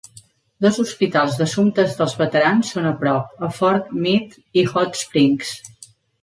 Dos hospitals d'Assumptes dels Veterans són a prop, a Fort Meade i Hot Springs.